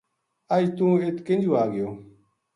اج توہ اِت کینجو آ گیو